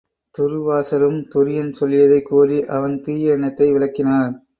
துர்வாசரும் துரியன் சொல்லியதைக் கூறி அவன் தீய எண்ணத்தை விளக்கினார்.